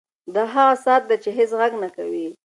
دا هغه ساعت دی چې هېڅ غږ نه کوي.